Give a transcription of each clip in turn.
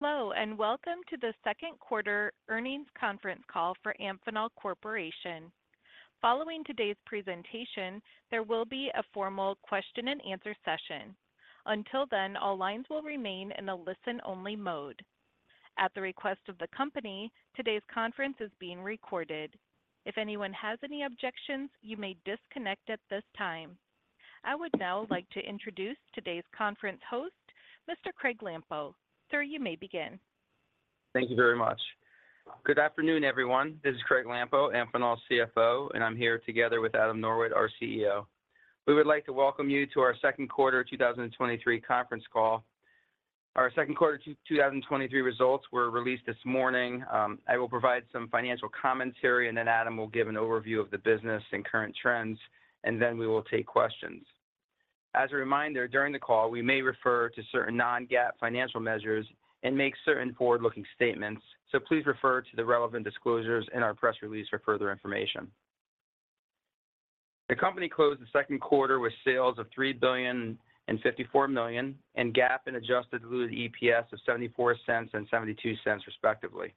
Hello, and welcome to the second quarter earnings conference call for Amphenol Corporation. Following today's presentation, there will be a formal question and answer session. Until then, all lines will remain in a listen-only mode. At the request of the company, today's conference is being recorded. If anyone has any objections, you may disconnect at this time. I would now like to introduce today's conference host, Mr. Craig Lampo. Sir, you may begin. Thank you very much. Good afternoon, everyone. This is Craig Lampo, Amphenol's CFO. I'm here together with Adam Norwitt, our CEO. We would like to welcome you to our second quarter 2023 conference call. Our second quarter 2023 results were released this morning. I will provide some financial commentary. Adam will give an overview of the business and current trends. We will take questions. As a reminder, during the call, we may refer to certain non-GAAP financial measures and make certain forward-looking statements. Please refer to the relevant disclosures in our press release for further information. The company closed the second quarter with sales of $3.054 billion. GAAP and adjusted diluted EPS of $0.74 and $0.72, respectively.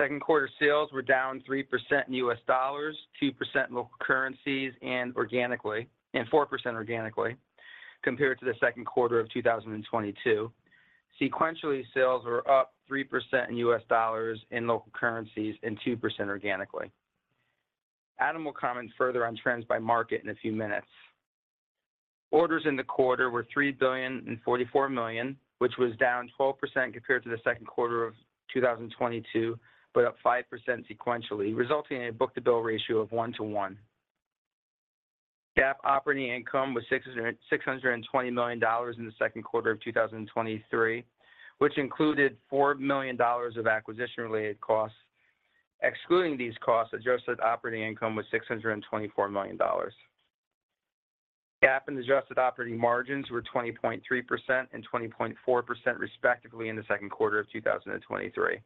Second quarter sales were down 3% in US dollars, 2% in local currencies, and 4% organically, compared to the second quarter of 2022. Sequentially, sales were up 3% in US dollars, in local currencies, and 2% organically. Adam will comment further on trends by market in a few minutes. Orders in the quarter were $3.044 billion, which was down 12% compared to the second quarter of 2022, up 5% sequentially, resulting in a book-to-bill ratio of 1 to 1. GAAP operating income was $620 million in the second quarter of 2023, which included $4 million of acquisition-related costs. Excluding these costs, adjusted operating income was $624 million. GAAP and adjusted operating margins were 20.3% and 20.4%, respectively, in the second quarter of 2023.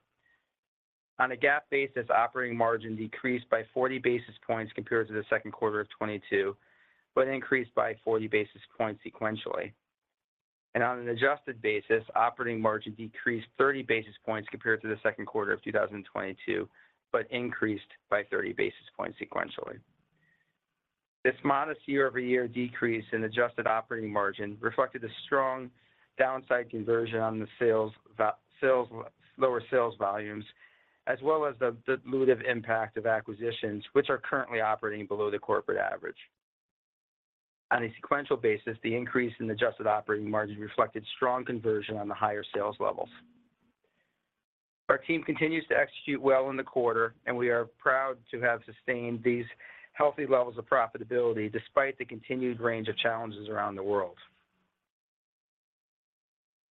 On a GAAP basis, operating margin decreased by 40 basis points compared to the second quarter of 2022, increased by 40 basis points sequentially. On an adjusted basis, operating margin decreased 30 basis points compared to the second quarter of 2022, increased by 30 basis points sequentially. This modest year-over-year decrease in adjusted operating margin reflected a strong downside conversion on the sales, lower sales volumes, as well as the dilutive impact of acquisitions, which are currently operating below the corporate average. On a sequential basis, the increase in adjusted operating margin reflected strong conversion on the higher sales levels. Our team continues to execute well in the quarter, and we are proud to have sustained these healthy levels of profitability despite the continued range of challenges around the world.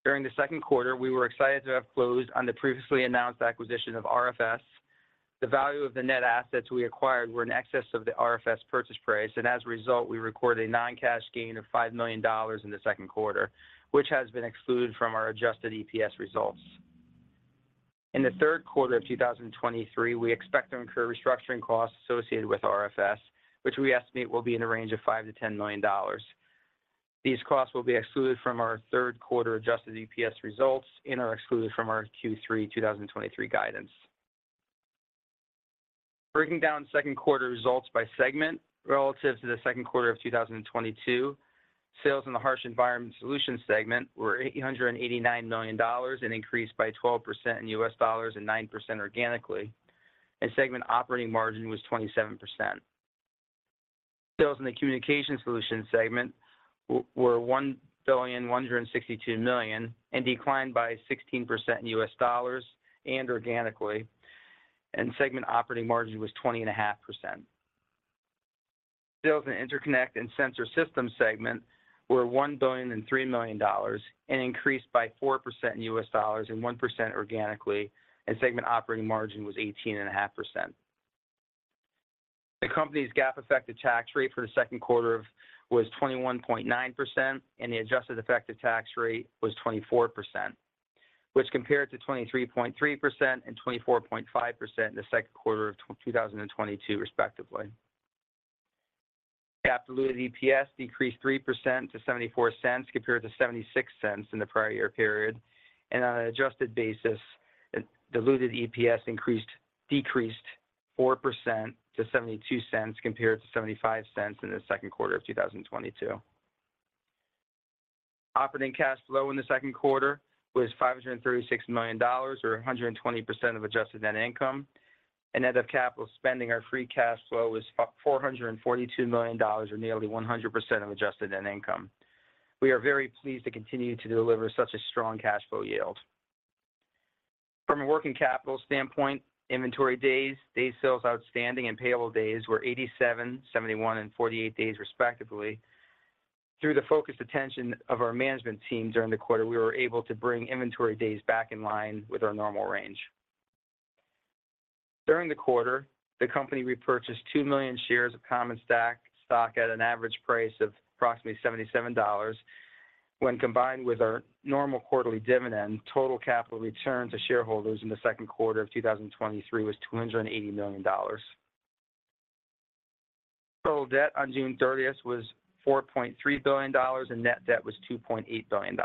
During the second quarter, we were excited to have closed on the previously announced acquisition of RFS. The value of the net assets we acquired were in excess of the RFS purchase price, and as a result, we recorded a non-cash gain of $5 million in the second quarter, which has been excluded from our adjusted EPS results. In the third quarter of 2023, we expect to incur restructuring costs associated with RFS, which we estimate will be in the range of $5 million-$10 million. These costs will be excluded from our third quarter adjusted EPS results and are excluded from our Q3 2023 guidance. Breaking down second quarter results by segment. Relative to the second quarter of 2022, sales in the Harsh Environment Solutions segment were $889 million and increased by 12% in U.S. dollars and 9% organically, and segment operating margin was 27%. Sales in the Communications Solutions segment were $1,162 million and declined by 16% in U.S. dollars and organically, and segment operating margin was 20 and a half percent. Sales in Interconnect and Sensor Systems segment were $1,003 million and increased by 4% in U.S. dollars and 1% organically, and segment operating margin was 18.5%. The company's GAAP effective tax rate for the second quarter was 21.9%, and the adjusted effective tax rate was 24%, which compared to 23.3% and 24.5% in the second quarter of 2022, respectively. GAAP diluted EPS decreased 3% to $0.74, compared to $0.76 in the prior year period. On an adjusted basis, diluted EPS decreased 4% to $0.72, compared to $0.75 in the second quarter of 2022. Operating cash flow in the second quarter was $536 million or 120% of adjusted net income. Net of capital spending, our free cash flow was $442 million, or nearly 100% of adjusted net income. We are very pleased to continue to deliver such a strong cash flow yield. From a working capital standpoint, inventory days, day sales outstanding, and payable days were 87, 71, and 48 days, respectively. Through the focused attention of our management team during the quarter, we were able to bring inventory days back in line with our normal range. During the quarter, the company repurchased 2 million shares of common stock at an average price of approximately $77. When combined with our normal quarterly dividend, total capital return to shareholders in the second quarter of 2023 was $280 million. Total debt on June thirtieth was $4.3 billion, and net debt was $2.8 billion.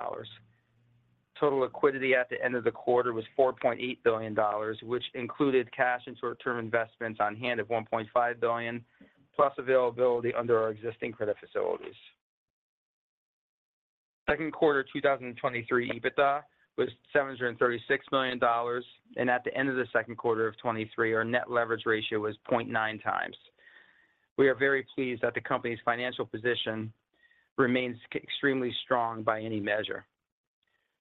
Total liquidity at the end of the quarter was $4.8 billion, which included cash and short-term investments on hand of $1.5 billion, plus availability under our existing credit facilities. Second quarter 2023 EBITDA was $736 million, and at the end of the second quarter of 2023, our net leverage ratio was 0.9 times. We are very pleased that the company's financial position remains extremely strong by any measure.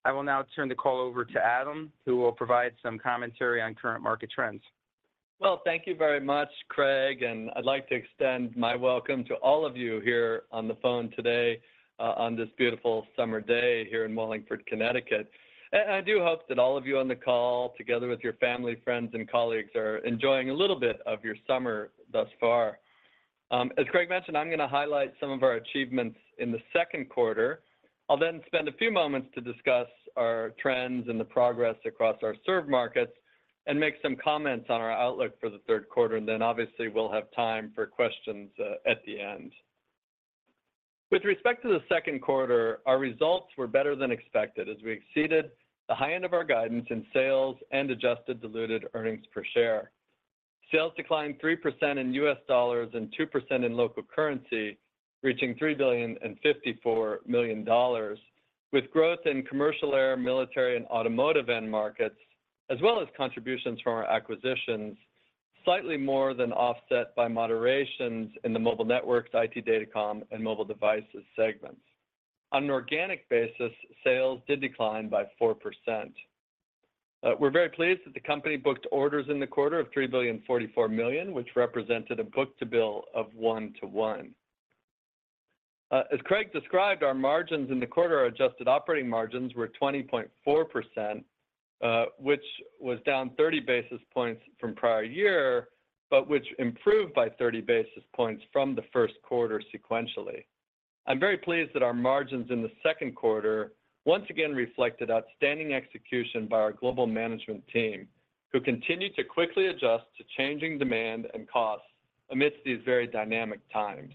I will now turn the call over to Adam, who will provide some commentary on current market trends. Well, thank you very much, Craig. I'd like to extend my welcome to all of you here on the phone today, on this beautiful summer day here in Wallingford, Connecticut. I do hope that all of you on the call, together with your family, friends, and colleagues, are enjoying a little bit of your summer thus far. As Craig mentioned, I'm gonna highlight some of our achievements in the second quarter. I'll then spend a few moments to discuss our trends and the progress across our served markets and make some comments on our outlook for the third quarter, then obviously, we'll have time for questions at the end. With respect to the second quarter, our results were better than expected as we exceeded the high end of our guidance in sales and adjusted diluted earnings per share. Sales declined 3% in U.S. dollars and 2% in local currency, reaching $3.054 billion, with growth in commercial air, military, and automotive end markets, as well as contributions from our acquisitions, slightly more than offset by moderations in the mobile networks, IT datacom, and mobile devices segments. On an organic basis, sales did decline by 4%. We're very pleased that the company booked orders in the quarter of $3.044 billion, which represented a book-to-bill of 1 to 1. As Craig described, our margins in the quarter are adjusted operating margins were 20.4%, which was down 30 basis points from prior year, but which improved by 30 basis points from the first quarter sequentially. I'm very pleased that our margins in the second quarter once again reflected outstanding execution by our global management team, who continued to quickly adjust to changing demand and costs amidst these very dynamic times.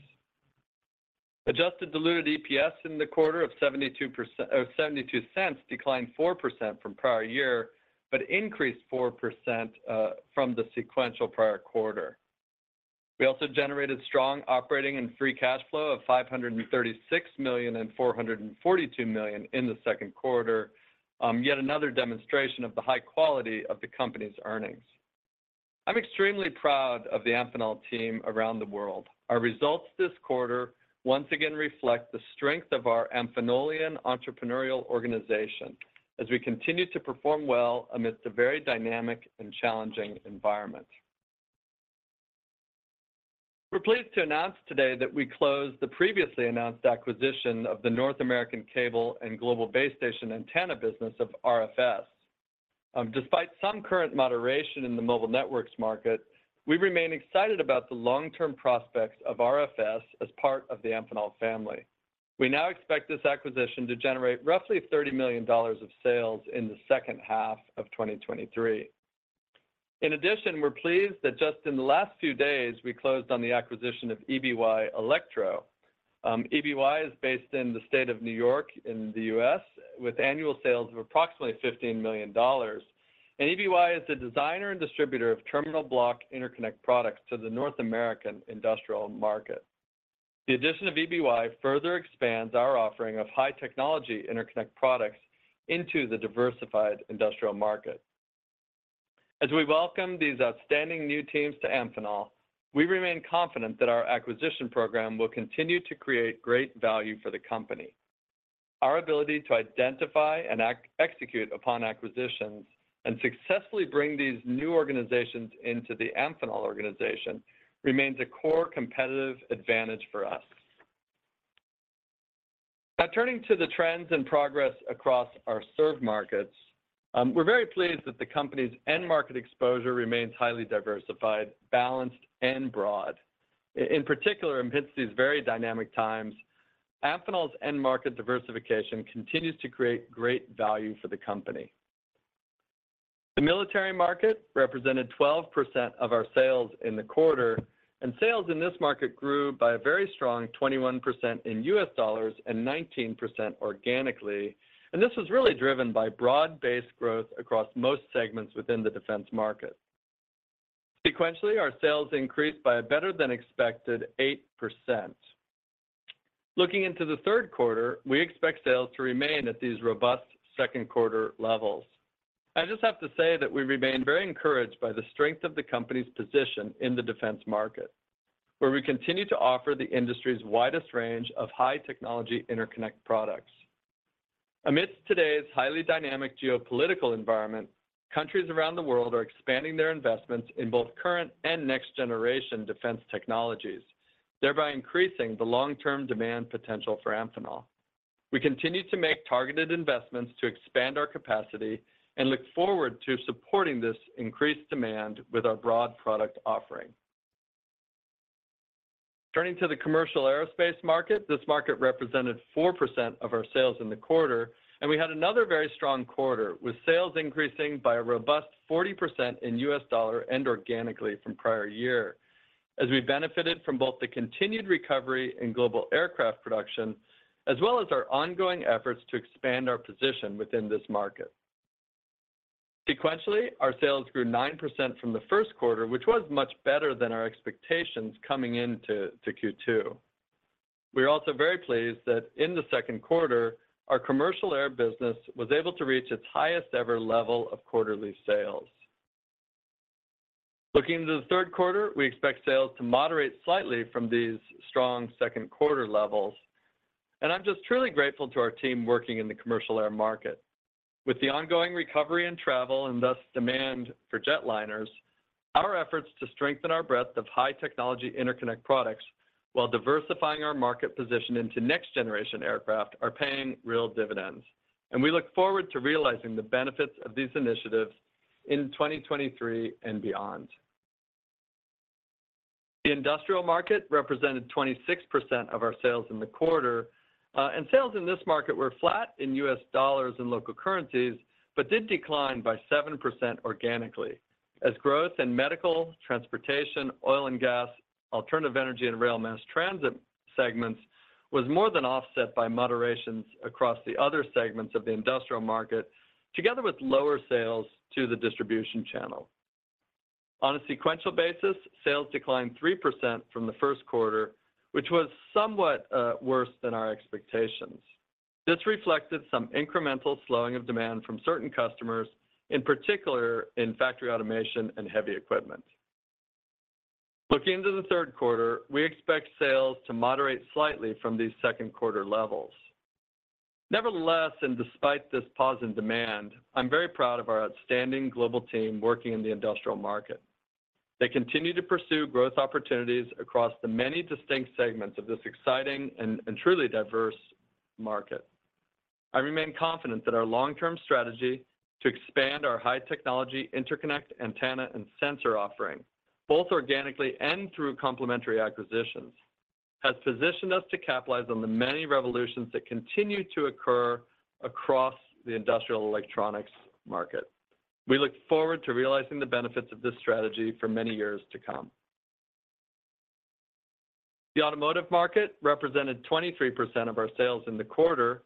Adjusted diluted EPS in the quarter of $0.72 declined 4% from prior year, but increased 4% from the sequential prior quarter. We also generated strong operating and free cash flow of $536 million and $442 million in the second quarter. Yet another demonstration of the high quality of the company's earnings. I'm extremely proud of the Amphenol team around the world. Our results this quarter once again reflect the strength of our Amphenolian entrepreneurial organization as we continue to perform well amidst a very dynamic and challenging environment. We're pleased to announce today that we closed the previously announced acquisition of the North American Cable and Global Base Station Antenna business of RFS. Despite some current moderation in the mobile networks market, we remain excited about the long-term prospects of RFS as part of the Amphenol family. We now expect this acquisition to generate roughly $30 million of sales in the second half of 2023. In addition, we're pleased that just in the last few days, we closed on the acquisition of EBY Electro. EBY is based in the state of New York in the US, with annual sales of approximately $15 million. EBY is a designer and distributor of terminal block interconnect products to the North American industrial market. The addition of EBY further expands our offering of high-technology interconnect products into the diversified industrial market. As we welcome these outstanding new teams to Amphenol, we remain confident that our acquisition program will continue to create great value for the company. Our ability to identify and execute upon acquisitions and successfully bring these new organizations into the Amphenol organization remains a core competitive advantage for us. Now, turning to the trends and progress across our served markets, we're very pleased that the company's end market exposure remains highly diversified, balanced, and broad. In particular, amidst these very dynamic times, Amphenol's end market diversification continues to create great value for the company. The military market represented 12% of our sales in the quarter, and sales in this market grew by a very strong 21% in USD and 19% organically. This was really driven by broad-based growth across most segments within the defense market. Sequentially, our sales increased by a better-than-expected 8%. Looking into the third quarter, we expect sales to remain at these robust second quarter levels. I just have to say that we remain very encouraged by the strength of the company's position in the defense market, where we continue to offer the industry's widest range of high-technology interconnect products. Amidst today's highly dynamic geopolitical environment, countries around the world are expanding their investments in both current and next-generation defense technologies, thereby increasing the long-term demand potential for Amphenol. We continue to make targeted investments to expand our capacity and look forward to supporting this increased demand with our broad product offering. Turning to the commercial aerospace market, this market represented 4% of our sales in the quarter, and we had another very strong quarter, with sales increasing by a robust 40% in US dollar and organically from prior year. As we benefited from both the continued recovery in global aircraft production, as well as our ongoing efforts to expand our position within this market. Sequentially, our sales grew 9% from the first quarter, which was much better than our expectations coming into Q2. We are also very pleased that in the second quarter, our commercial air business was able to reach its highest ever level of quarterly sales. Looking to the third quarter, we expect sales to moderate slightly from these strong second quarter levels. I'm just truly grateful to our team working in the commercial air market. With the ongoing recovery in travel and thus demand for jetliners, our efforts to strengthen our breadth of high technology interconnect products while diversifying our market position into next generation aircraft, are paying real dividends. We look forward to realizing the benefits of these initiatives in 2023 and beyond. The industrial market represented 26% of our sales in the quarter, and sales in this market were flat in U.S. dollars and local currencies, but did decline by 7% organically, as growth in medical, transportation, oil and gas, alternative energy and rail mass transit segments was more than offset by moderations across the other segments of the industrial market, together with lower sales to the distribution channel. On a sequential basis, sales declined 3% from the first quarter, which was somewhat worse than our expectations. This reflected some incremental slowing of demand from certain customers, in particular in factory automation and heavy equipment. Looking into the third quarter, we expect sales to moderate slightly from these second quarter levels. Nevertheless, despite this pause in demand, I'm very proud of our outstanding global team working in the industrial market. They continue to pursue growth opportunities across the many distinct segments of this exciting and truly diverse market. I remain confident that our long-term strategy to expand our high technology interconnect, antenna, and sensor offering, both organically and through complementary acquisitions, has positioned us to capitalize on the many revolutions that continue to occur across the industrial electronics market. We look forward to realizing the benefits of this strategy for many years to come. The automotive market represented 23% of our sales in the quarter.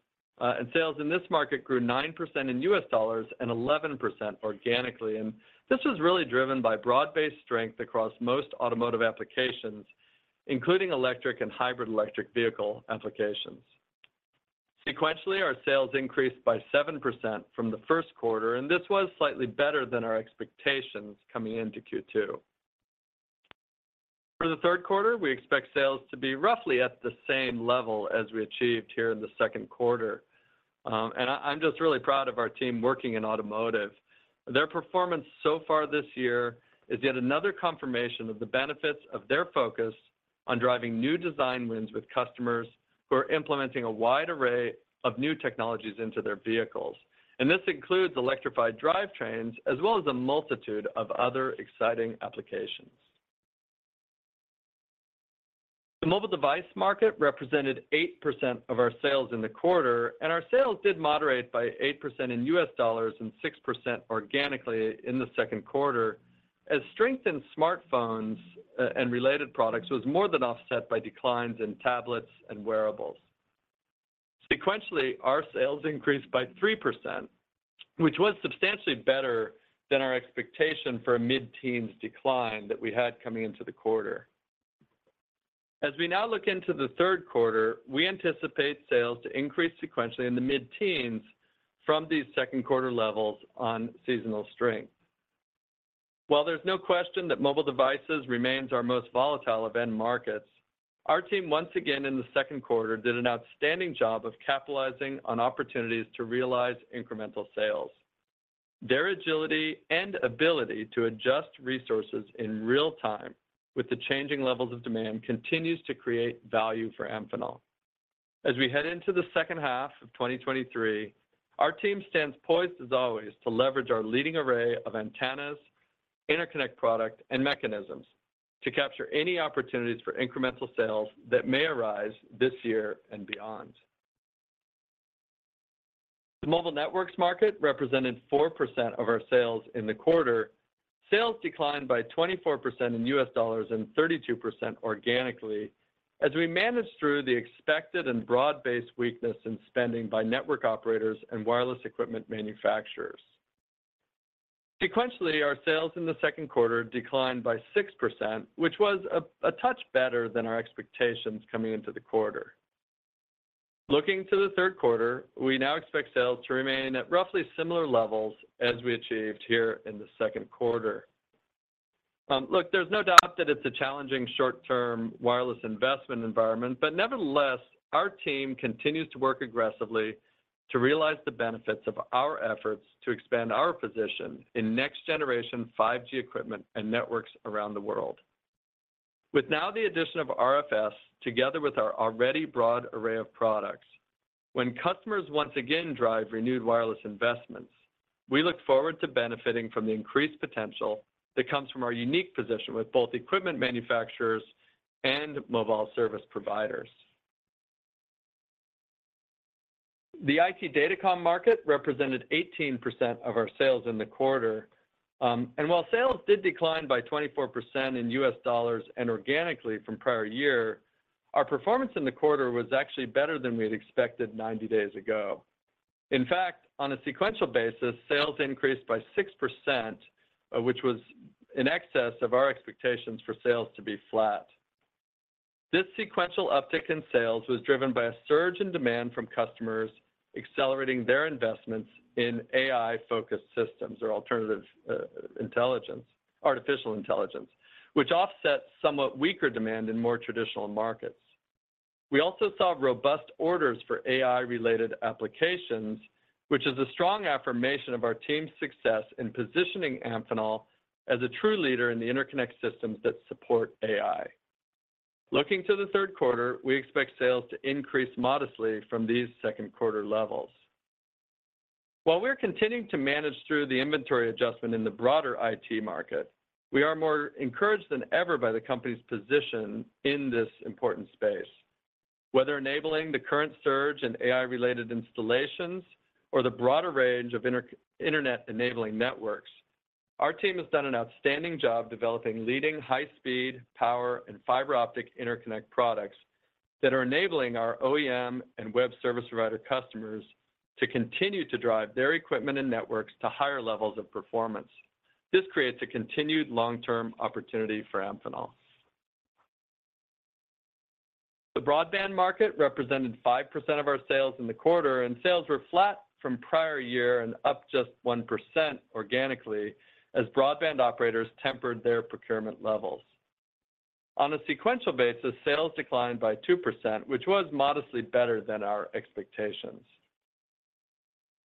Sales in this market grew 9% in USD and 11% organically. This was really driven by broad-based strength across most automotive applications, including electric and hybrid electric vehicle applications. Sequentially, our sales increased by 7% from the first quarter, and this was slightly better than our expectations coming into Q2. For the third quarter, we expect sales to be roughly at the same level as we achieved here in the second quarter. I'm just really proud of our team working in automotive. Their performance so far this year is yet another confirmation of the benefits of their focus on driving new design wins with customers who are implementing a wide array of new technologies into their vehicles. This includes electrified drivetrains, as well as a multitude of other exciting applications. The mobile device market represented 8% of our sales in the quarter, our sales did moderate by 8% in $ and 6% organically in the second quarter, as strength in smartphones, and related products, was more than offset by declines in tablets and wearables. Sequentially, our sales increased by 3%, which was substantially better than our expectation for a mid-teens decline that we had coming into the quarter. We now look into the third quarter, we anticipate sales to increase sequentially in the mid-teens from these second quarter levels on seasonal strength. While there's no question that mobile devices remains our most volatile of end markets, our team, once again in the second quarter, did an outstanding job of capitalizing on opportunities to realize incremental sales. Their agility and ability to adjust resources in real time with the changing levels of demand, continues to create value for Amphenol. As we head into the second half of 2023, our team stands poised, as always, to leverage our leading array of antennas, interconnect product, and mechanisms to capture any opportunities for incremental sales that may arise this year and beyond. The mobile networks market represented 4% of our sales in the quarter. Sales declined by 24% in U.S. dollars and 32% organically, as we managed through the expected and broad-based weakness in spending by network operators and wireless equipment manufacturers. Sequentially, our sales in the second quarter declined by 6%, which was a touch better than our expectations coming into the quarter. Looking to the third quarter, we now expect sales to remain at roughly similar levels as we achieved here in the second quarter. Look, there's no doubt that it's a challenging short-term wireless investment environment, but nevertheless, our team continues to work aggressively to realize the benefits of our efforts to expand our position in next generation 5G equipment and networks around the world. With now the addition of RFS, together with our already broad array of products, when customers once again drive renewed wireless investments, we look forward to benefiting from the increased potential that comes from our unique position with both equipment manufacturers and mobile service providers. The IT datacom market represented 18% of our sales in the quarter. While sales did decline by 24% in US dollars and organically from prior year, our performance in the quarter was actually better than we had expected 90 days ago. In fact, on a sequential basis, sales increased by 6%, which was in excess of our expectations for sales to be flat. This sequential uptick in sales was driven by a surge in demand from customers accelerating their investments in AI-focused systems or alternative intelligence, artificial intelligence, which offsets somewhat weaker demand in more traditional markets. We also saw robust orders for AI-related applications, which is a strong affirmation of our team's success in positioning Amphenol as a true leader in the interconnect systems that support AI. Looking to the third quarter, we expect sales to increase modestly from these second quarter levels. While we're continuing to manage through the inventory adjustment in the broader IT market, we are more encouraged than ever by the company's position in this important space. Whether enabling the current surge in AI-related installations or the broader range of internet-enabling networks, our team has done an outstanding job developing leading high-speed, power, and fiber optic interconnect products that are enabling our OEM and web service provider customers to continue to drive their equipment and networks to higher levels of performance. This creates a continued long-term opportunity for Amphenol. The broadband market represented 5% of our sales in the quarter. Sales were flat from prior year and up just 1% organically, as broadband operators tempered their procurement levels. On a sequential basis, sales declined by 2%, which was modestly better than our expectations.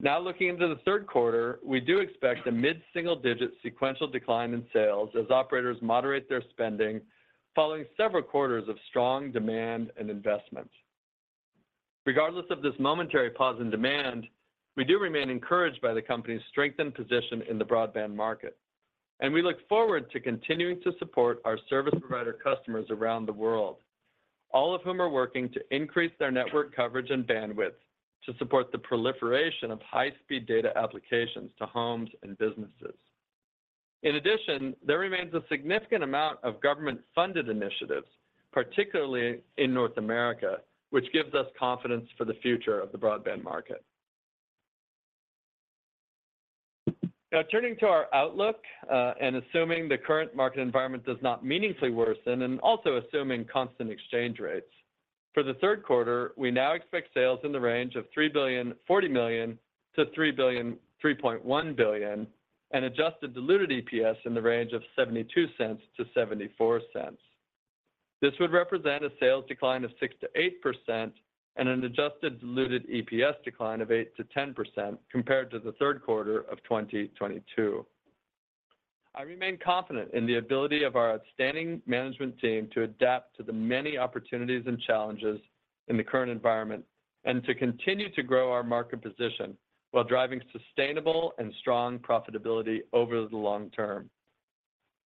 Looking into the third quarter, we do expect a mid-single-digit sequential decline in sales as operators moderate their spending, following several quarters of strong demand and investment. Regardless of this momentary pause in demand, we do remain encouraged by the company's strengthened position in the broadband market, and we look forward to continuing to support our service provider customers around the world, all of whom are working to increase their network coverage and bandwidth to support the proliferation of high-speed data applications to homes and businesses. There remains a significant amount of government-funded initiatives, particularly in North America, which gives us confidence for the future of the broadband market. Now, turning to our outlook, and assuming the current market environment does not meaningfully worsen, and also assuming constant exchange rates, for the third quarter, we now expect sales in the range of $3.04 billion-$3.1 billion, and adjusted diluted EPS in the range of $0.72-$0.74. This would represent a sales decline of 6%-8% and an adjusted diluted EPS decline of 8%-10% compared to the third quarter of 2022. I remain confident in the ability of our outstanding management team to adapt to the many opportunities and challenges in the current environment and to continue to grow our market position while driving sustainable and strong profitability over the long term.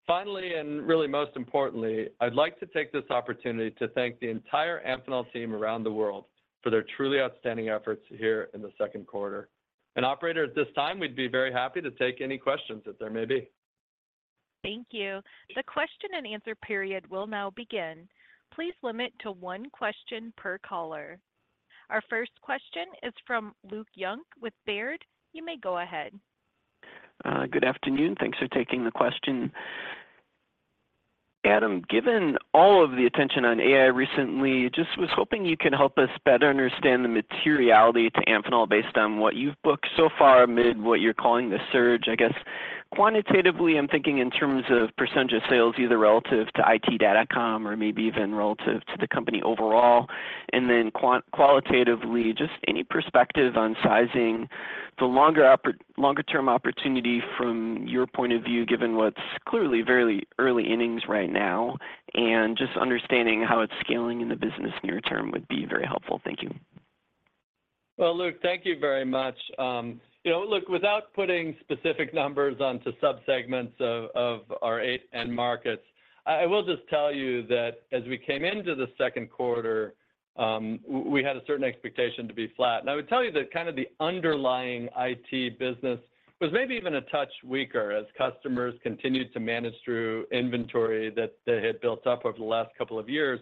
Finally, and really most importantly, I'd like to take this opportunity to thank the entire Amphenol team around the world for their truly outstanding efforts here in the second quarter. Operator, at this time, we'd be very happy to take any questions that there may be. Thank you. The question and answer period will now begin. Please limit to one question per caller. Our first question is from Luke Junk with Baird. You may go ahead. Good afternoon. Thanks for taking the question. Adam, given all of the attention on AI recently, just was hoping you could help us better understand the materiality to Amphenol based on what you've booked so far amid what you're calling the surge. I guess quantitatively, I'm thinking in terms of percentage of sales, either relative to IT datacom or maybe even relative to the company overall. Qualitatively, just any perspective on sizing the longer-term opportunity from your point of view, given what's clearly very early innings right now, and just understanding how it's scaling in the business near term would be very helpful. Thank you. Well, Luke, thank you very much. you know, look, without putting specific numbers onto subsegments of our eight end markets, I will just tell you that as we came into the second quarter, we had a certain expectation to be flat. I would tell you that kind of the underlying IT business was maybe even a touch weaker as customers continued to manage through inventory that they had built up over the last couple of years.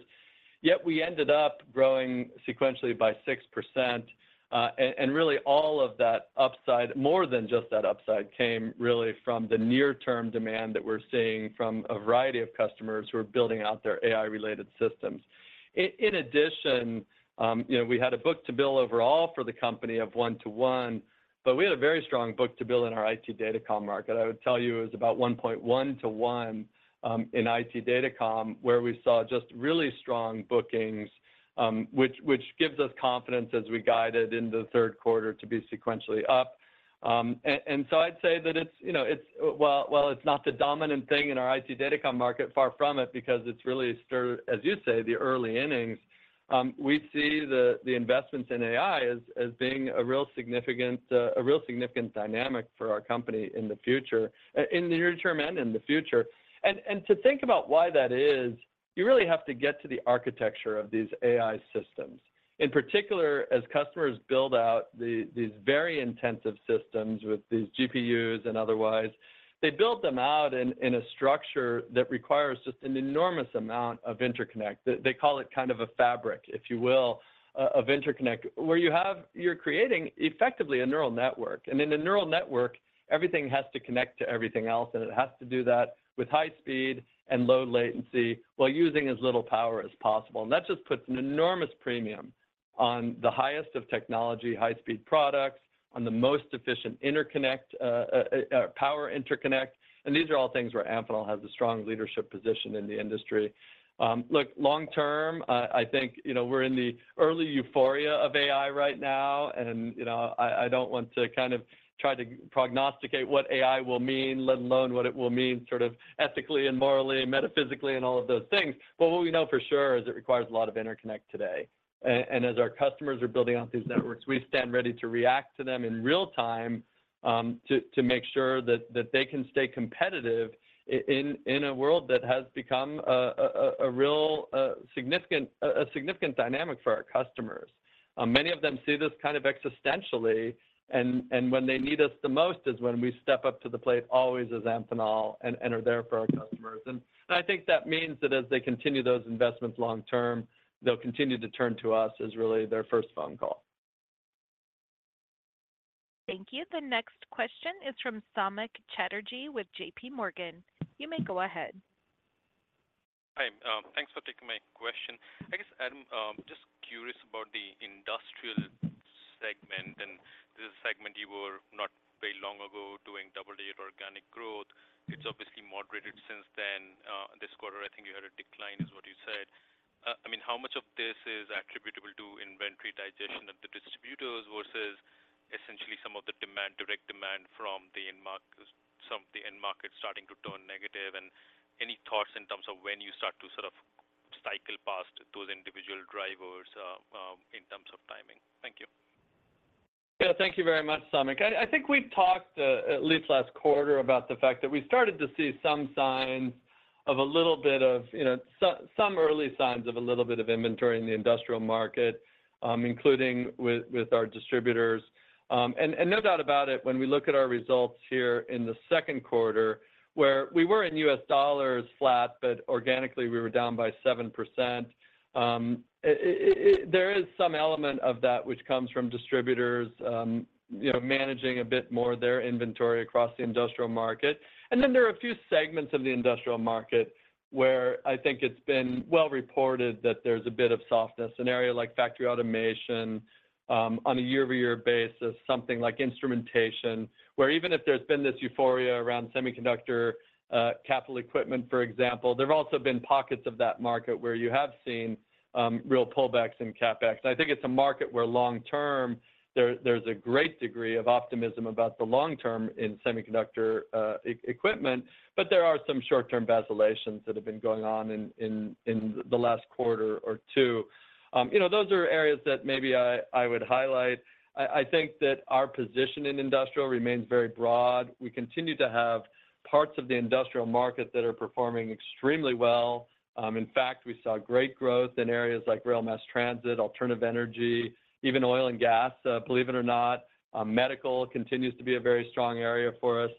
Yet we ended up growing sequentially by 6%, and really, all of that upside, more than just that upside, came really from the near-term demand that we're seeing from a variety of customers who are building out their AI-related systems. In addition, you know, we had a book-to-bill overall for the company of 1 to 1, but we had a very strong book-to-bill in our IT datacom market. I would tell you it was about 1.1 to 1 in IT datacom, where we saw just really strong bookings, which gives us confidence as we guided into the third quarter to be sequentially up. I'd say that it's, you know, it's while it's not the dominant thing in our IT datacom market, far from it, because it's really still, as you say, the early innings, we see the investments in AI as being a real significant dynamic for our company in the future, in the near term and in the future. To think about why that is, you really have to get to the architecture of these AI systems. In particular, as customers build out these very intensive systems with these GPUs and otherwise, they build them out in a structure that requires just an enormous amount of interconnect. They call it kind of a fabric, if you will, of interconnect, where you're creating effectively a neural network. In a neural network, everything has to connect to everything else, and it has to do that with high speed and low latency while using as little power as possible. That just puts an enormous premium on the highest of technology, high-speed products, on the most efficient interconnect, power interconnect, and these are all things where Amphenol has a strong leadership position in the industry. Look, long term, I think, you know, we're in the early euphoria of AI right now. You know, I don't want to kind of try to prognosticate what AI will mean, let alone what it will mean sort of ethically and morally and metaphysically, and all of those things. What we know for sure is it requires a lot of interconnect today. As our customers are building out these networks, we stand ready to react to them in real time, to make sure that they can stay competitive in a world that has become a real, significant dynamic for our customers. Many of them see this kind of existentially, and when they need us the most is when we step up to the plate, always as Amphenol, and are there for our customers. I think that means that as they continue those investments long term, they'll continue to turn to us as really their first phone call. Thank you. The next question is from Samik Chatterjee with J.P. Morgan. You may go ahead. Hi. Thanks for taking my question. I guess, Adam, I'm just curious about the industrial segment. This is a segment you were not very long ago doing double-digit organic growth. It's obviously moderated since then. This quarter, I think you had a decline, is what you said. I mean, how much of this is attributable to inventory digestion of the distributors versus essentially some of the demand, direct demand from the end market starting to turn negative? Any thoughts in terms of when you start to sort of cycle past those individual drivers in terms of timing? Thank you. Yeah, thank you very much, Samik. I think we talked at least last quarter, about the fact that we started to see some signs of a little bit of, you know, some early signs of a little bit of inventory in the industrial market, including with our distributors. And no doubt about it, when we look at our results here in the second quarter, where we were in U.S. dollars flat, but organically, we were down by 7%. There is some element of that which comes from distributors, you know, managing a bit more of their inventory across the industrial market. Then there are a few segments of the industrial market where I think it's been well reported that there's a bit of softness in an area like factory automation, on a year-over-year basis, something like instrumentation, where even if there's been this euphoria around semiconductor, capital equipment, for example, there have also been pockets of that market where you have seen real pullbacks in CapEx. I think it's a market where long term, there's a great degree of optimism about the long term in semiconductor, e-equipment, but there are some short-term vacillations that have been going on in, in the last quarter or two. You know, those are areas that maybe I would highlight. I think that our position in industrial remains very broad. We continue to have parts of the industrial market that are performing extremely well. In fact, we saw great growth in areas like rail, mass transit, alternative energy, even oil and gas. Believe it or not, medical continues to be a very strong area for us.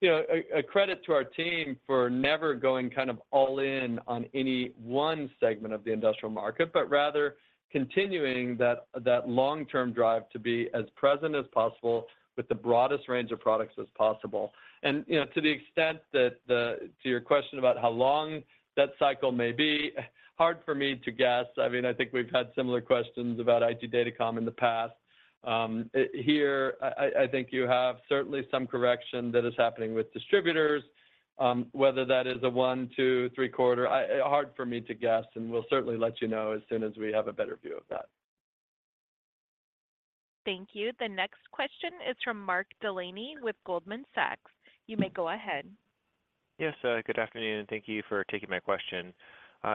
You know, a credit to our team for never going kind of all in on any one segment of the industrial market, but rather continuing that long-term drive to be as present as possible with the broadest range of products as possible. You know, to the extent to your question about how long that cycle may be, hard for me to guess. I mean, I think we've had similar questions about IT datacom in the past. Here, I think you have certainly some correction that is happening with distributors, whether that is a 1, 2, 3 quarter, I... Hard for me to guess. We'll certainly let you know as soon as we have a better view of that. Thank you. The next question is from Mark Delaney with Goldman Sachs. You may go ahead. Yes, good afternoon, thank you for taking my question.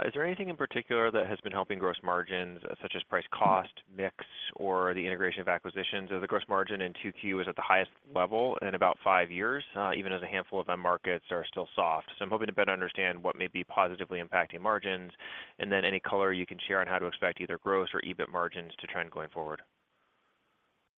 Is there anything in particular that has been helping gross margins, such as price, cost, mix, or the integration of acquisitions? The gross margin in 2Q is at the highest level in about five years, even as a handful of end markets are still soft. I'm hoping to better understand what may be positively impacting margins, and then any color you can share on how to expect either gross or EBIT margins to trend going forward.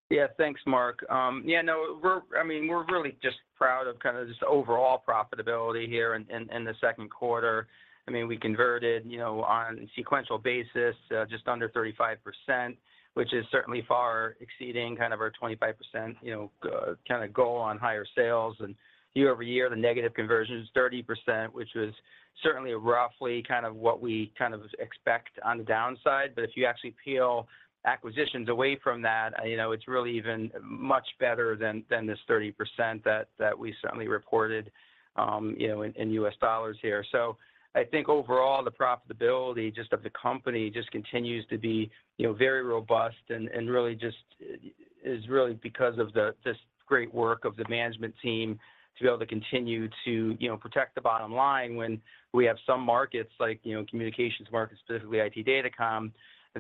Yeah, thanks, Mark. I mean, we're really just proud of kind of just the overall profitability here in the second quarter. I mean, we converted, you know, on a sequential basis, just under 35%, which is certainly far exceeding kind of our 25%, you know, kind of goal on higher sales. Year over year, the negative conversion is 30%, which was certainly roughly kind of what we kind of expect on the downside. If you actually peel acquisitions away from that, you know, it's really even much better than this 30% that we certainly reported, you know, in U.S. dollars here. I think overall, the profitability just of the company just continues to be, you know, very robust and really just is really because of the great work of the management team to be able to continue to, you know, protect the bottom line when we have some markets, like, you know, communications markets, specifically IT datacom,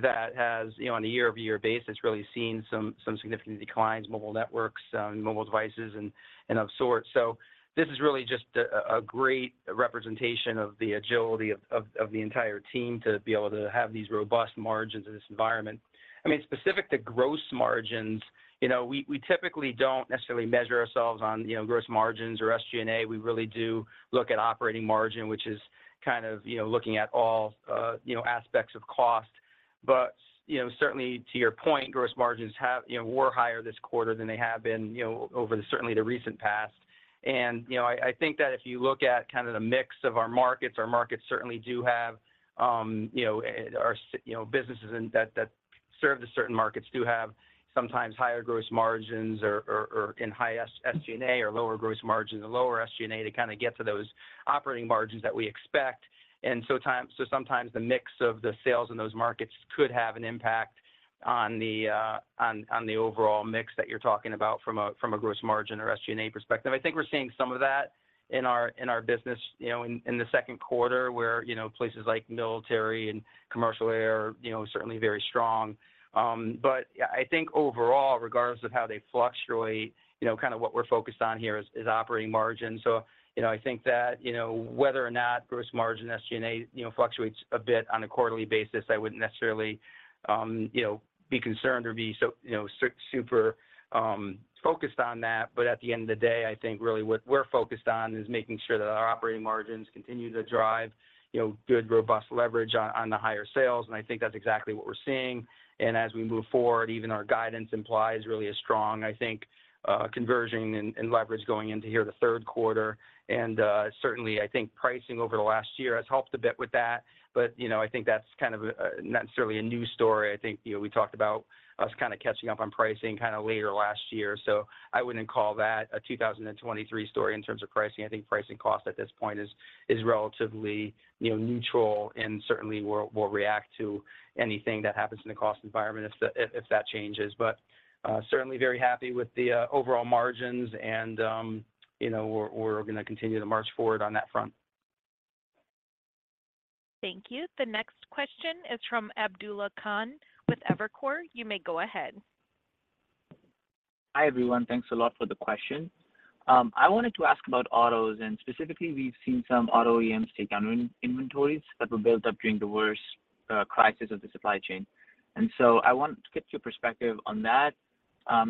that has, you know, on a year-over-year basis, really seen some significant declines, mobile networks, mobile devices and of sorts. This is really just a great representation of the agility of the entire team to be able to have these robust margins in this environment. I mean, specific to gross margins, you know, we typically don't necessarily measure ourselves on, you know, gross margins or SG&A. We really do look at operating margin, which is kind of, you know, looking at all, you know, aspects of cost. You know, certainly to your point, gross margins have, you know, were higher this quarter than they have been, you know, over certainly the recent past. You know, I think that if you look at kind of the mix of our markets, our markets certainly do have, you know, businesses and that serve the certain markets do have sometimes higher gross margins or, and higher SG&A or lower gross margins and lower SG&A to kind of get to those operating margins that we expect. Sometimes the mix of the sales in those markets could have an impact on the overall mix that you're talking about from a gross margin or SG&A perspective. I think we're seeing some of that in our business, you know, in the second quarter, where, you know, places like military and commercial air, you know, are certainly very strong. Yeah, I think overall, regardless of how they fluctuate, you know, kind of what we're focused on here is operating margin. I think that, you know, whether or not gross margin, SG&A, you know, fluctuates a bit on a quarterly basis, I wouldn't necessarily, you know, be concerned or be so super focused on that. At the end of the day, I think really what we're focused on is making sure that our operating margins continue to drive, you know, good, robust leverage on the higher sales. I think that's exactly what we're seeing. As we move forward, even our guidance implies really a strong, I think, conversion and leverage going into here, the third quarter. Certainly, I think pricing over the last year has helped a bit with that. You know, I think that's kind of not necessarily a new story. I think, you know, we talked about us kind of catching up on pricing kind of later last year, so I wouldn't call that a 2023 story in terms of pricing. I think pricing cost at this point is relatively, you know, neutral, and certainly we'll react to anything that happens in the cost environment if that changes. Certainly very happy with the overall margins and, you know, we're gonna continue to march forward on that front. Thank you. The next question is from Amit Daryanani with Evercore. You may go ahead. Hi, everyone. Thanks a lot for the question. I wanted to ask about autos, and specifically, we've seen some auto OEMs take down inventories that were built up during the worst crisis of the supply chain. I wanted to get your perspective on that,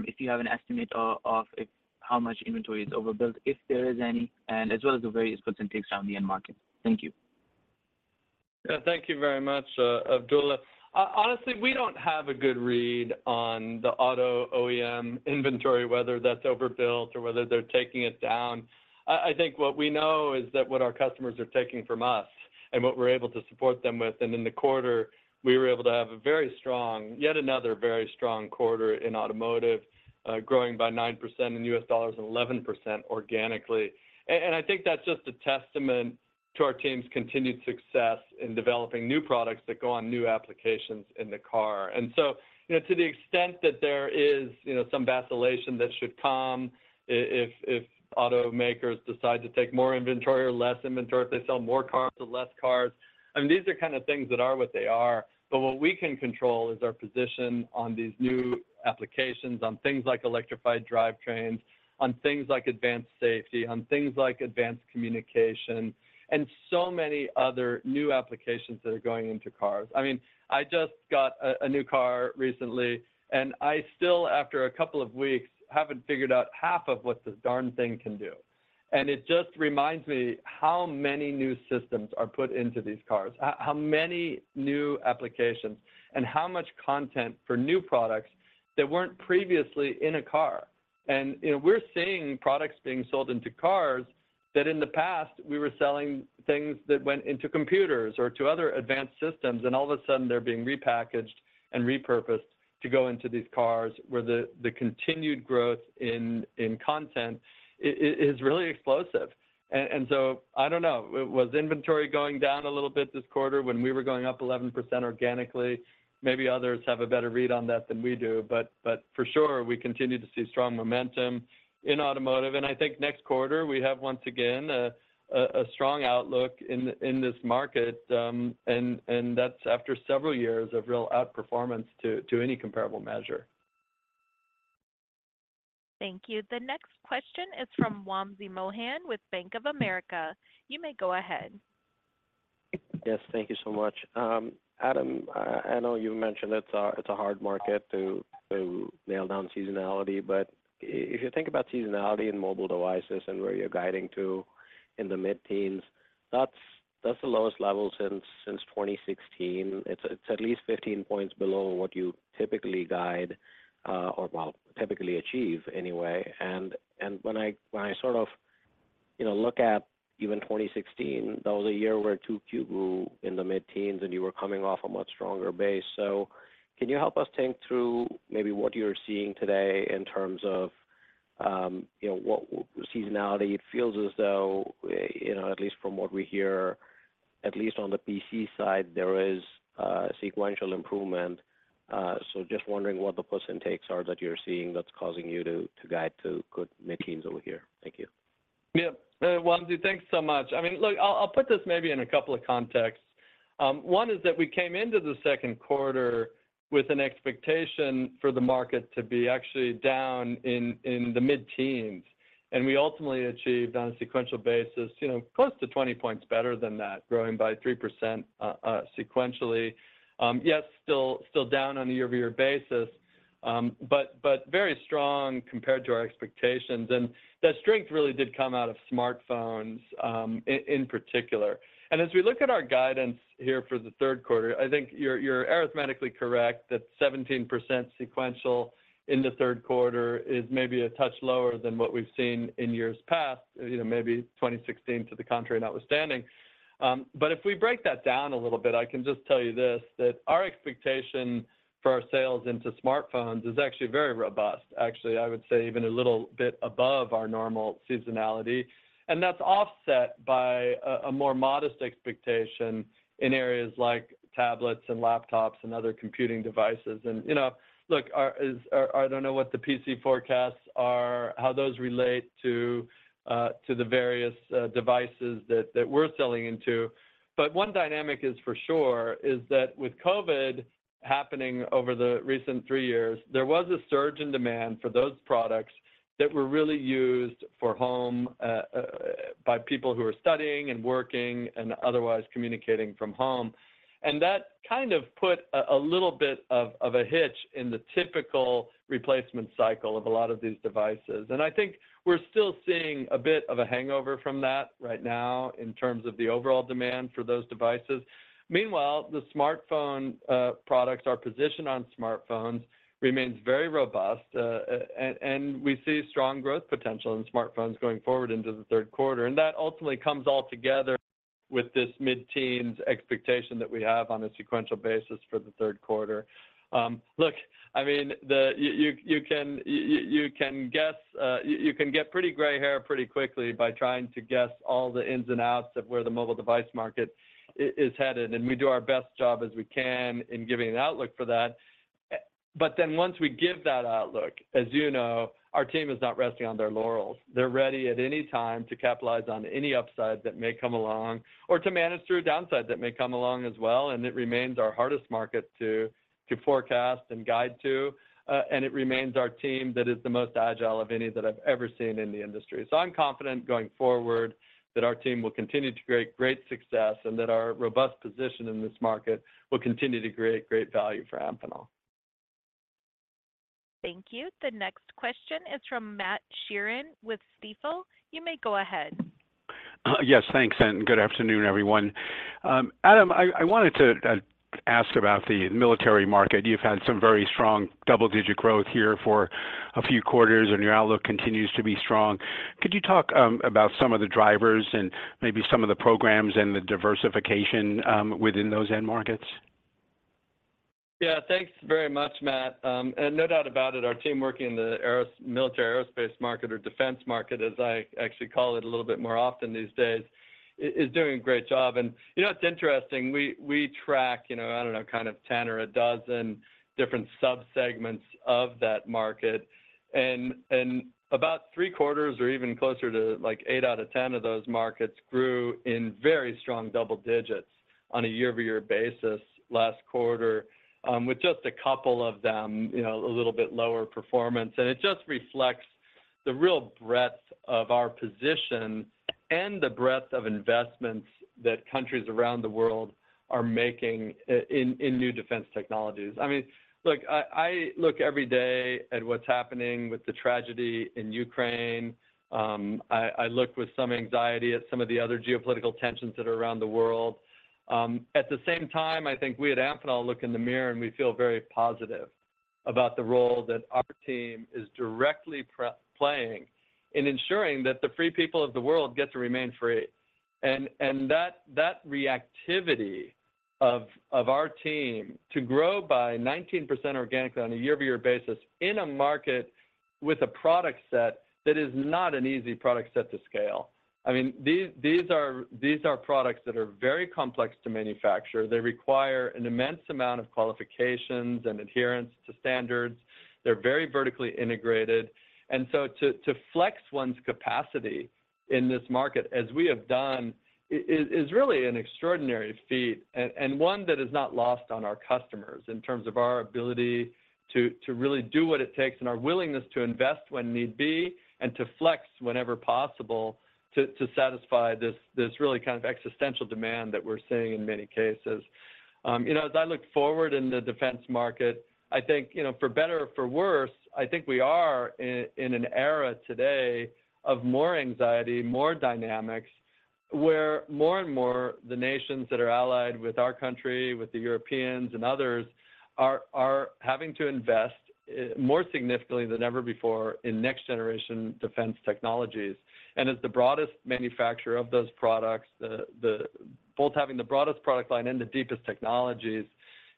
if you have an estimate of how much inventory is overbuilt, if there is any, and as well as the various puts and takes on the end market. Thank you. Yeah, thank you very much, Amit Daryanani. Honestly, we don't have a good read on the auto OEM inventory, whether that's overbuilt or whether they're taking it down. I think what we know is that what our customers are taking from us and what we're able to support them with, in the quarter, we were able to have a very strong yet another very strong quarter in automotive, growing by 9% in US dollars and 11% organically. I think that's just a testament to our team's continued success in developing new products that go on new applications in the car. You know, to the extent that there is, you know, some vacillation that should come if automakers decide to take more inventory or less inventory, or if they sell more cars or less cars, I mean, these are kind of things that are what they are. What we can control is our position on these new applications, on things like electrified drivetrains, on things like advanced safety, on things like advanced communication, and so many other new applications that are going into cars. I mean, I just got a new car recently, and I still, after a couple of weeks, haven't figured out half of what this darn thing can do. It just reminds me how many new systems are put into these cars, how many new applications and how much content for new products that weren't previously in a car. You know, we're seeing products being sold into cars that in the past, we were selling things that went into computers or to other advanced systems, and all of a sudden they're being repackaged and repurposed to go into these cars, where the continued growth in content is really explosive. I don't know. Was inventory going down a little bit this quarter when we were going up 11% organically? Maybe others have a better read on that than we do, but for sure, we continue to see strong momentum in automotive, and I think next quarter we have once again, a strong outlook in this market, and that's after several years of real outperformance to any comparable measure. Thank you. The next question is from Wamsi Mohan with Bank of America. You may go ahead. Yes, thank you so much. Adam, I know you mentioned it's a hard market to nail down seasonality, but if you think about seasonality in mobile devices and where you're guiding to in the mid-teens, that's the lowest level since 2016. It's at least 15 points below what you typically guide, or well, typically achieve anyway. When I sort of, you know, look at even 2016, that was a year where 2Q grew in the mid-teens, and you were coming off a much stronger base. Can you help us think through maybe what you're seeing today in terms of, you know, what seasonality? It feels as though, you know, at least from what we hear, at least on the PC side, there is sequential improvement. Just wondering what the plus intakes are that you're seeing that's causing you to guide to good mid-teens over here. Thank you. Yeah, Wamsi, thanks so much. I mean, look, I'll put this maybe in a couple of contexts. One is that we came into the second quarter with an expectation for the market to be actually down in the mid-teens. We ultimately achieved on a sequential basis, you know, close to 20 points better than that, growing by 3% sequentially, yet still down on a year-over-year basis, but very strong compared to our expectations. That strength really did come out of smartphones, in particular. As we look at our guidance here for the third quarter, I think you're arithmetically correct, that 17% sequential in the third quarter is maybe a touch lower than what we've seen in years past, you know, maybe 2016, to the contrary, notwithstanding. If we break that down a little bit, I can just tell you this, that our expectation for our sales into smartphones is actually very robust. Actually, I would say even a little bit above our normal seasonality, that's offset by a more modest expectation in areas like tablets and laptops and other computing devices. You know, look, I don't know what the PC forecasts are, how those relate to the various devices that we're selling into, but one dynamic is for sure, is that with COVID happening over the recent 3 years, there was a surge in demand for those products that were really used for home by people who were studying and working and otherwise communicating from home. That kind of put a little bit of a hitch in the typical replacement cycle of a lot of these devices. I think we're still seeing a bit of a hangover from that right now in terms of the overall demand for those devices. Meanwhile, the smartphone products, our position on smartphones remains very robust, and we see strong growth potential in smartphones going forward into the third quarter. That ultimately comes all together with this mid-teens expectation that we have on a sequential basis for the third quarter. Look, I mean, you can guess, you can get pretty gray hair pretty quickly by trying to guess all the ins and outs of where the mobile device market is headed. We do our best job as we can in giving an outlook for that. Once we give that outlook, as you know, our team is not resting on their laurels. They're ready at any time to capitalize on any upside that may come along or to manage through a downside that may come along as well. It remains our hardest market to forecast and guide to. It remains our team that is the most agile of any that I've ever seen in the industry. I'm confident going forward, that our team will continue to create great success, and that our robust position in this market will continue to create great value for Amphenol. Thank you. The next question is from Matt Sheerin with Stifel. You may go ahead. Yes, thanks, and good afternoon, everyone. Adam, I wanted to ask about the military market. You've had some very strong double-digit growth here for a few quarters, and your outlook continues to be strong. Could you talk about some of the drivers and maybe some of the programs and the diversification within those end markets? Yeah, thanks very much, Matt. No doubt about it, our team working in the military aerospace market or defense market, as I actually call it a little bit more often these days, is doing a great job. You know, it's interesting, we track, you know, I don't know, kind of 10 or a dozen different subsegments of that market, and about three quarters or even closer to like 8 out of 10 of those markets grew in very strong double digits on a year-over-year basis last quarter, with just a couple of them, you know, a little bit lower performance. It just reflects the real breadth of our position and the breadth of investments that countries around the world are making in new defense technologies. I mean, look, I look every day at what's happening with the tragedy in Ukraine. I look with some anxiety at some of the other geopolitical tensions that are around the world. At the same time, I think we at Amphenol look in the mirror, and we feel very positive about the role that our team is directly playing in ensuring that the free people of the world get to remain free. That, that reactivity of our team to grow by 19% organically on a year-over-year basis in a market with a product set that is not an easy product set to scale. I mean, these are, these are products that are very complex to manufacture. They require an immense amount of qualifications and adherence to standards. They're very vertically integrated. To flex one's capacity in this market, as we have done, is really an extraordinary feat and one that is not lost on our customers in terms of our ability to really do what it takes and our willingness to invest when need be and to flex whenever possible to satisfy this really kind of existential demand that we're seeing in many cases. You know, as I look forward in the defense market, I think, you know, for better or for worse, I think we are in an era today of more anxiety, more dynamics, where more and more the nations that are allied with our country, with the Europeans and others, are having to invest more significantly than ever before in next-generation defense technologies. As the broadest manufacturer of those products, both having the broadest product line and the deepest technologies,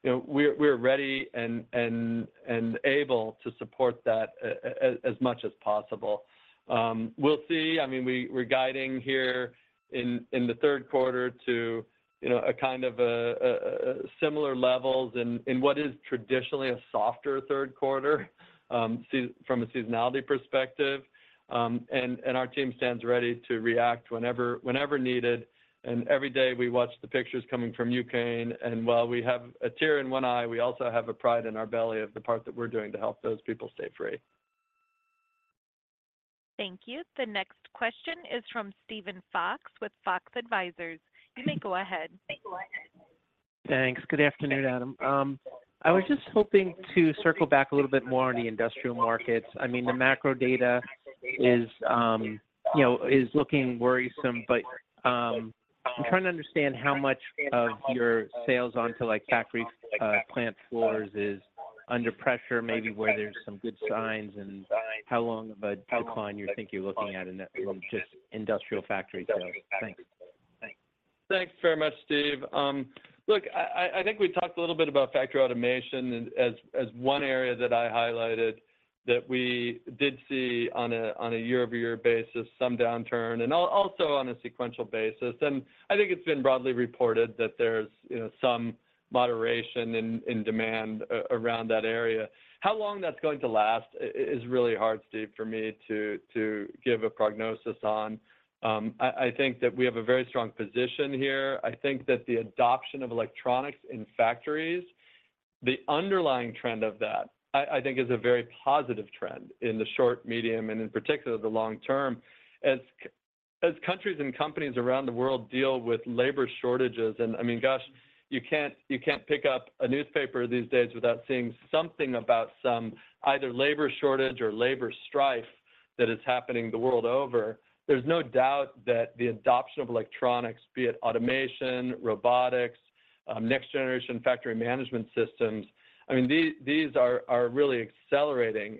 you know, we're ready and able to support that as much as possible. We'll see. I mean, we're guiding here in the third quarter to, you know, a kind of a similar levels in what is traditionally a softer third quarter from a seasonality perspective, and our team stands ready to react whenever needed. Every day we watch the pictures coming from Ukraine, and while we have a tear in one eye, we also have a pride in our belly of the part that we're doing to help those people stay free. Thank you. The next question is from Steven Fox with Fox Advisors. You may go ahead. Thanks. Good afternoon, Adam. I was just hoping to circle back a little bit more on the industrial markets. I mean, the macro data is, you know, is looking worrisome, but, I'm trying to understand how much of your sales onto, like, factory, plant floors is under pressure, maybe where there's some good signs, and how long of a decline you think you're looking at in that, from just industrial factory sales? Thanks. Thanks very much, Steve. Look, I think we talked a little bit about factory automation as one area that I highlighted that we did see on a year-over-year basis, some downturn, and also on a sequential basis. I think it's been broadly reported that there's, you know, some moderation in demand around that area. How long that's going to last is really hard, Steve, for me to give a prognosis on. I think that we have a very strong position here. I think that the adoption of electronics in factories, the underlying trend of that, I think is a very positive trend in the short, medium, and in particular, the long term. As countries and companies around the world deal with labor shortages, and I mean, gosh, you can't, you can't pick up a newspaper these days without seeing something about some either labor shortage or labor strife that is happening the world over. There's no doubt that the adoption of electronics, be it automation, robotics, next-generation factory management systems, I mean, these are really accelerating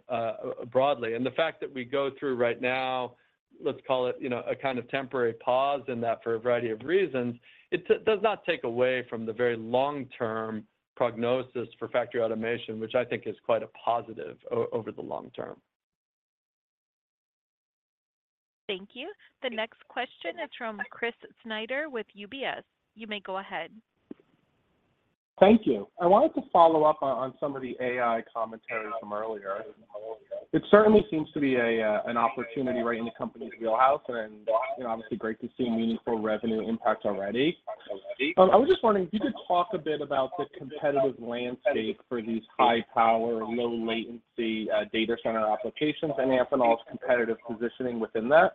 broadly. The fact that we go through right now, let's call it, you know, a kind of temporary pause in that for a variety of reasons, it does not take away from the very long-term prognosis for factory automation, which I think is quite a positive over the long term. Thank you. The next question is from Chris Snyder with UBS. You may go ahead. Thank you. I wanted to follow up on some of the AI commentary from earlier. It certainly seems to be an opportunity right in the company's wheelhouse, and, you know, obviously great to see meaningful revenue impact already. I was just wondering if you could talk a bit about the competitive landscape for these high-power, low-latency, data center applications, and Amphenol's competitive positioning within that.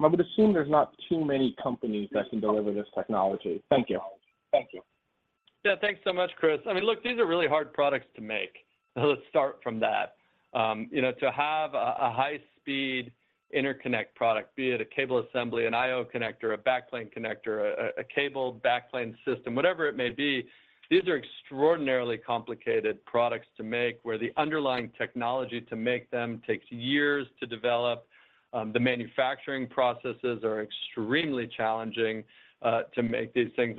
I would assume there's not too many companies that can deliver this technology. Thank you. Yeah, thanks so much, Chris. I mean, look, these are really hard products to make. Let's start from that. You know, to have a high-speed interconnect product, be it a cable assembly, an I/O connector, a backplane connector, a cable backplane system, whatever it may be, these are extraordinarily complicated products to make, where the underlying technology to make them takes years to develop. The manufacturing processes are extremely challenging to make these things.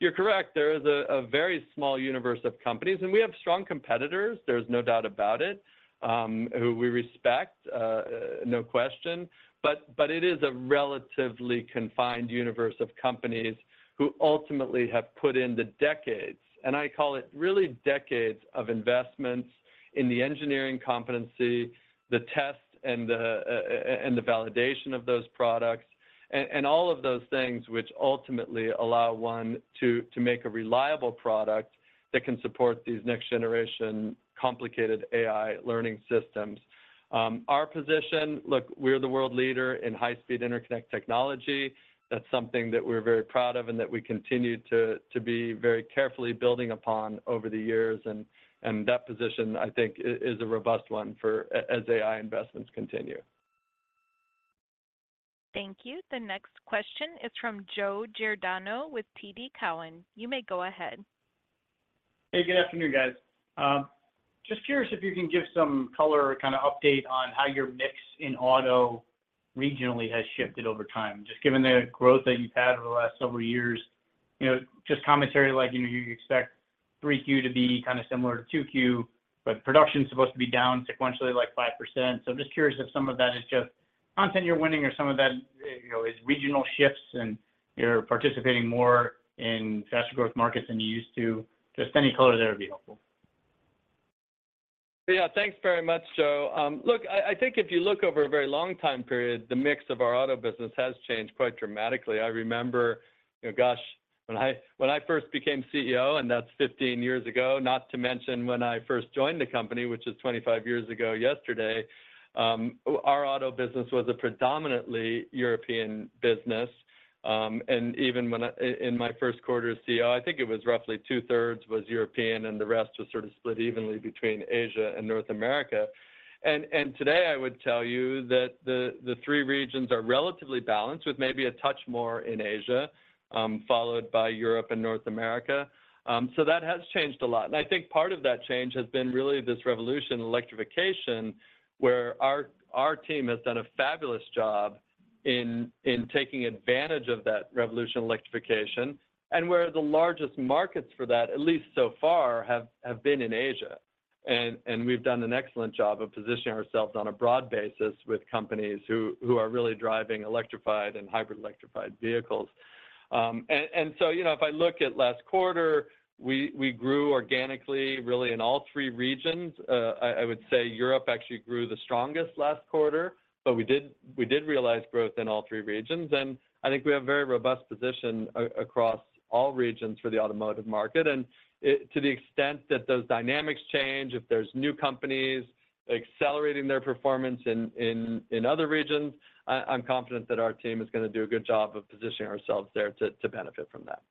You're correct, there is a very small universe of companies, and we have strong competitors, there's no doubt about it, who we respect, no question. But it is a relatively confined universe of companies who ultimately have put in the decades, and I call it really decades of investments in the engineering competency, the test, and the validation of those products. All of those things which ultimately allow one to make a reliable product that can support these next-generation, complicated AI learning systems. Our position, look, we're the world leader in high-speed interconnect technology. That's something that we're very proud of and that we continue to be very carefully building upon over the years, and that position, I think, is a robust one for as AI investments continue. Thank you. The next question is from Joe Giordano with TD Cowen. You may go ahead. Hey, good afternoon, guys. Just curious if you can give some color or kind of update on how your mix in auto regionally has shifted over time, just given the growth that you've had over the last several years. You know, just commentary like, you know, you expect 3Q to be kind of similar to 2Q, but production is supposed to be down sequentially, like 5%. I'm just curious if some of that is just content you're winning or some of that, you know, is regional shifts, and you're participating more in faster growth markets than you used to. Just any color there would be helpful. Yeah. Thanks very much, Joe. Look, I think if you look over a very long time period, the mix of our auto business has changed quite dramatically. I remember, you know, gosh, when I, when I first became CEO, and that's 15 years ago, not to mention when I first joined the company, which is 25 years ago yesterday, our auto business was a predominantly European business. In my first quarter as CEO, I think it was roughly two-thirds was European, and the rest was sort of split evenly between Asia and North America. Today I would tell you that the three regions are relatively balanced, with maybe a touch more in Asia, followed by Europe and North America. That has changed a lot. I think part of that change has been really this revolution in electrification, where our team has done a fabulous job in taking advantage of that revolution in electrification, and where the largest markets for that, at least so far, have been in Asia. We've done an excellent job of positioning ourselves on a broad basis with companies who are really driving electrified and hybrid electrified vehicles. So you know, if I look at last quarter, we grew organically, really in all three regions. I would say Europe actually grew the strongest last quarter, but we did realize growth in all three regions, and I think we have a very robust position across all regions for the automotive market. To the extent that those dynamics change, if there's new companies, accelerating their performance in other regions, I'm confident that our team is gonna do a good job of positioning ourselves there to benefit from that.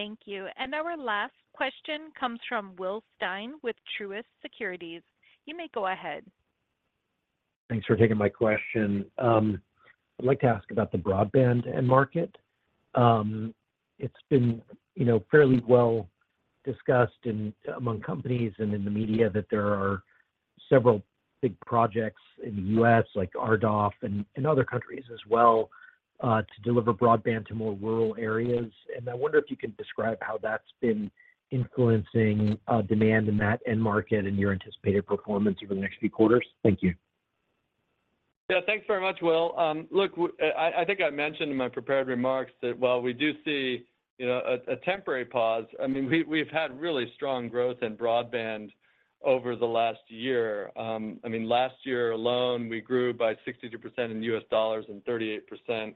Thank you. Our last question comes from Will Stein with Truist Securities. You may go ahead. Thanks for taking my question. I'd like to ask about the broadband end market. It's been, you know, fairly well discussed in, among companies and in the media that there are several big projects in the U.S., like RDOF and other countries as well, to deliver broadband to more rural areas. I wonder if you can describe how that's been influencing demand in that end market and your anticipated performance over the next few quarters? Thank you. Yeah. Thanks very much, Will. Look, I think I mentioned in my prepared remarks that while we do see, you know, a temporary pause, I mean, we've had really strong growth in broadband over the last year. I mean, last year alone, we grew by 62% in US dollars and 38%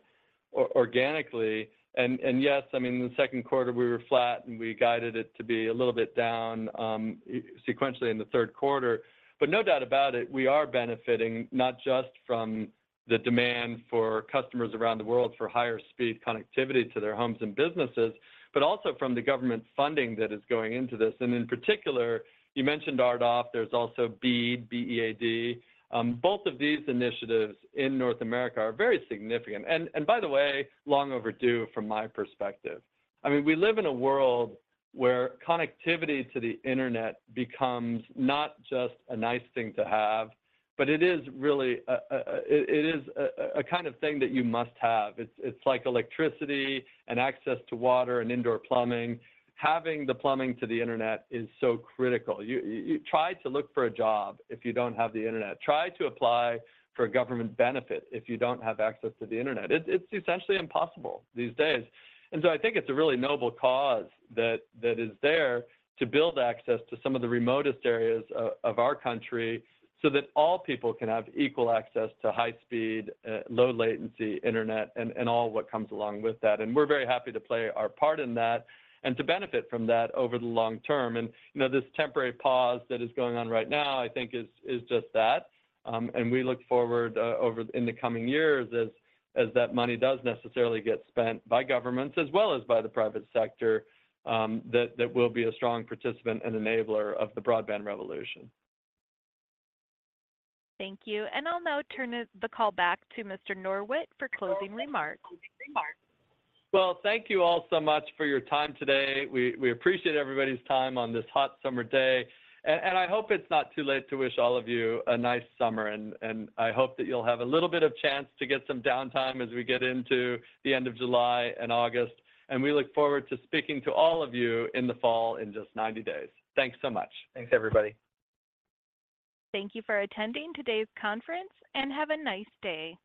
organically. Yes, I mean, in the second quarter we were flat, and we guided it to be a little bit down, sequentially in the third quarter. No doubt about it, we are benefiting not just from the demand for customers around the world for higher speed connectivity to their homes and businesses, but also from the government funding that is going into this. In particular, you mentioned RDOF. There's also BEAD, B-E-A-D. Both of these initiatives in North America are very significant and by the way, long overdue from my perspective. I mean, we live in a world where connectivity to the internet becomes not just a nice thing to have, but it is really a kind of thing that you must have. It's like electricity and access to water and indoor plumbing. Having the plumbing to the internet is so critical. You try to look for a job if you don't have the internet. Try to apply for a government benefit if you don't have access to the internet. It's essentially impossible these days. I think it's a really noble cause that is there to build access to some of the remotest areas of our country, so that all people can have equal access to high speed, low latency internet and all what comes along with that. We're very happy to play our part in that and to benefit from that over the long term. You know, this temporary pause that is going on right now, I think, is just that, and we look forward in the coming years as that money does necessarily get spent by governments as well as by the private sector, that we'll be a strong participant and enabler of the broadband revolution. Thank you. I'll now turn the call back to Mr. Norwitt for closing remarks. Well, thank you all so much for your time today. We appreciate everybody's time on this hot summer day, and I hope it's not too late to wish all of you a nice summer. I hope that you'll have a little bit of chance to get some downtime as we get into the end of July and August, and we look forward to speaking to all of you in the fall in just 90 days. Thanks so much. Thanks, everybody. Thank you for attending today's conference, and have a nice day!